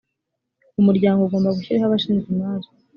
umuryango ugomba gushyiraho abashinzwe imari